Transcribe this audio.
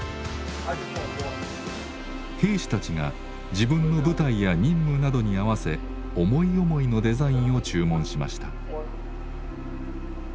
兵士たちが自分の部隊や任務などに合わせ思い思いのデザインを注文しました。